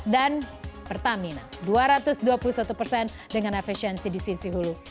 dan pertamina dua ratus dua puluh satu persen dengan efisiensi di sisi hulu